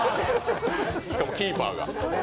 しかもキーパーが。